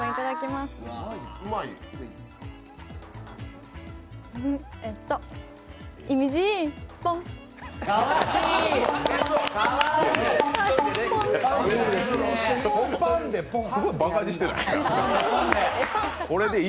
すごいばかにしてない？